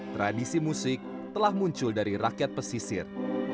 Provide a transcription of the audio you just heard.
tradisi musik telah muncul dari rakyat pesisir